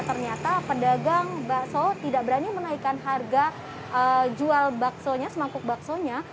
ternyata pedagang bakso tidak berani menaikkan harga jual bakso nya semangkuk bakso nya